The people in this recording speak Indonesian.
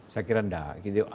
saya kira enggak